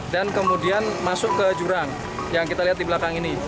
dan kemudian masuk ke jurang yang kita lihat di belakang ini